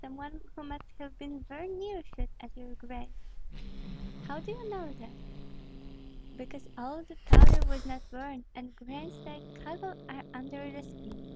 some one who must have been very near shot at your grace." "How do you know that?" "Because all the powder was not burned, and grains like cockle are under the skin.